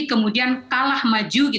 kemudian kalah maju